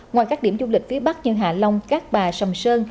ngoài các điểm du lịch phía bắc như hạ long cát bà sầm sơn